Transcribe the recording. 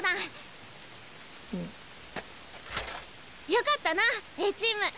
よかったなＡチーム。